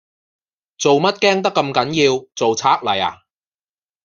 做乜驚得咁緊要，做贼嚟呀？